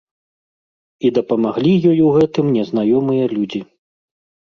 І дапамаглі ёй у гэтым незнаёмыя людзі.